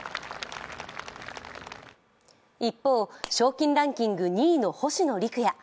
一方、賞金ランキング２位の星野陸也。